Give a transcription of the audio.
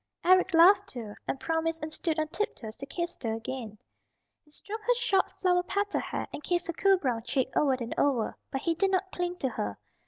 Eric laughed too, and promised and stood on tiptoes to kiss her again. He stroked her short flower petal hair, and kissed her cool brown cheek over and over. But he did not cling to her.